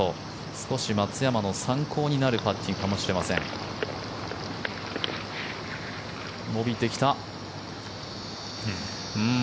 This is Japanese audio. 少し松山の参考になるパッティングかもしれません。